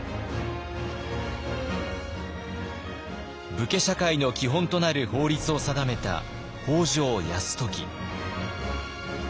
武家社会の基本となる法律を定めた北条泰時。